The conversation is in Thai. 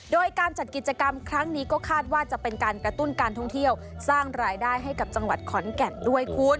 โดยการจัดกิจกรรมครั้งนี้ก็คาดว่าจะเป็นการกระตุ้นการท่องเที่ยวสร้างรายได้ให้กับจังหวัดขอนแก่นด้วยคุณ